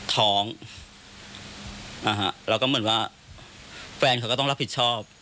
ท้องแล้วก็เหมือนว่าแฟนเขาก็ต้องรับผิดชอบ